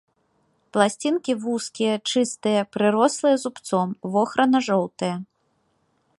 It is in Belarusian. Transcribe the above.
Пласцінкі вузкія, чыстыя, прырослыя зубцом, вохрана-жоўтыя.